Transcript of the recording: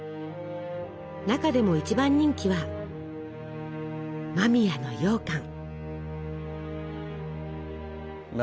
中でも一番人気は間宮のようかん。